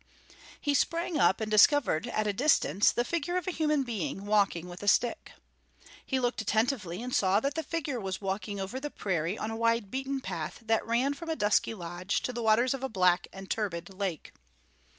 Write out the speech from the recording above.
He sprang up and discovered at a distance the figure of a human being, walking with a stick. He looked attentively and saw that the figure was walking over the prairie on a wide beaten path that ran from a dusky lodge to the waters of a black and turbid lake.